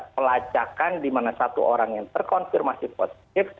pelacakan dimana satu orang yang terkonfirmasi positif